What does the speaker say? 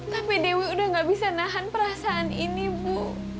tapi dewi sudah tidak bisa menahan perasaan ini ibu